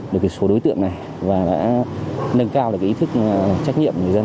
được số đối tượng này và đã nâng cao được ý thức trách nhiệm người dân